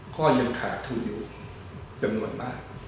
ก็ยังขาดทุนอยู่จำนวนมาก